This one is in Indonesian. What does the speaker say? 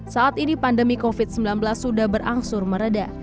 saat ini pandemi covid sembilan belas sudah berangsur meredah